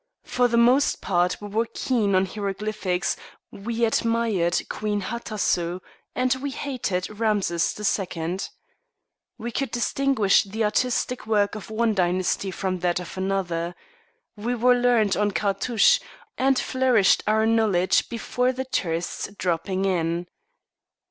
For the most part we were keen on hieroglyphics, we admired Queen Hatasou and we hated Rameses II. We could distinguish the artistic work of one dynasty from that of another. We were learned on cartouches, and flourished our knowledge before the tourists dropping in.